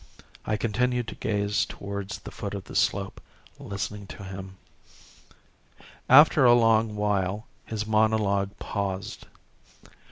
I continued to gaze towards the foot of the slope, listening to him. After a long while his monologue paused.